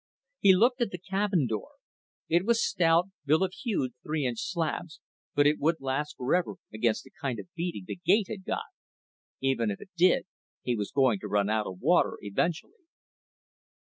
He looked at the cabin door. It was stout, built of hewed three inch slabs, but it wouldn't last forever against the kind of beating the gate had got. Even if it did, he was going to run out of water eventually.